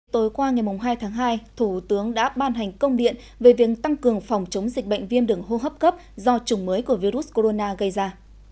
tối qua ngày hai tháng hai thủ tướng đã ban hành công điện về việc tăng cường phòng chống dịch bệnh viêm đường hô hấp cấp do chủng mới của virus corona gây ra